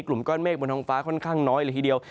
กลุ่มก้อนเมฆบนท้องฟ้าค่อนข้างน้อยเลยทีเดียว